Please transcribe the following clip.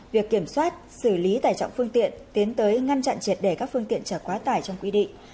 việc kiểm soát xử lý tài trọng phương tiện tiến tới ngăn chặn triệt để các phương tiện trở quá tải trong quy định